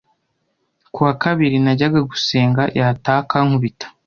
Ku wa kabiri najyaga gusenga yataha akankubita,